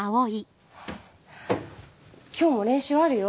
今日も練習あるよ。